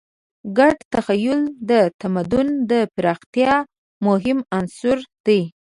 ګډ تخیل د تمدن د پراختیا مهم عنصر دی.